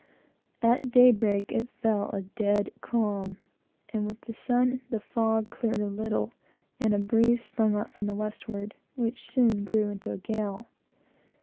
At daybreak it fell a dead calm, and with the sun, the fog cleared a little, and a breeze sprung up from the westward, which soon grew into a gale.